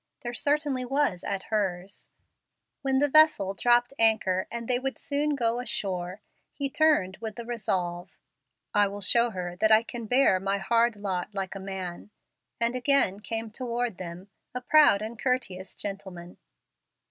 There certainly was at hers. When the vessel dropped anchor and they would soon go ashore, he turned with the resolve, "I will show her that I can bear my hard lot like a man," and again came toward them, a proud and courteous gentleman.